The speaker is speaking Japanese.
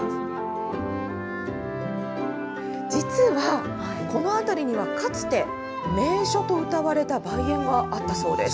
実はこの辺りにはかつて、名所とうたわれた梅園があったそうです。